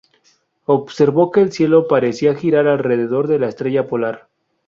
Observó que el cielo parecía girar alrededor de la estrella polar.